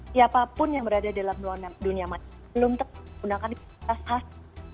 siapapun yang berada di luar dunia maya belum tentu menggunakan pilihan khas